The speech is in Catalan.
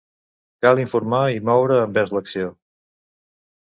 Cal informar i moure envers l'acció.